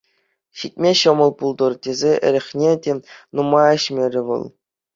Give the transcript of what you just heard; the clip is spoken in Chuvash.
Ҫитме ҫӑмӑл пултӑр тесе эрехне те нумай ӗҫмерӗ вӑл.